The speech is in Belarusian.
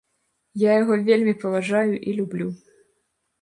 Я яго вельмі паважаю і люблю.